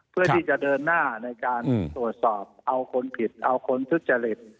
เพื่อที่จะเดินหน้าในการตรวจสอบเอาคนผิดเอาคนทุจริต